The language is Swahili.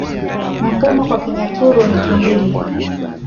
Mpuma kwa Kinyaturu ni tumbili